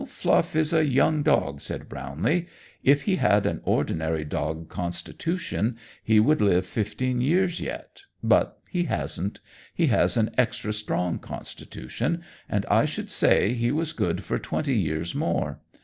"Fluff is a young dog," said Brownlee. "If he had an ordinary dog constitution, he would live fifteen years yet, but he hasn't. He has an extra strong constitution, and I should say he was good for twenty years more.